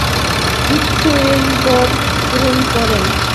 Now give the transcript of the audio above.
বিষ্ণু এই বর পূরণ করেন।